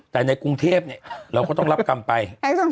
แต่ในกรุงเทพเราก็ต้องรับกรรมไป